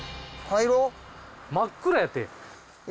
真っ暗やて。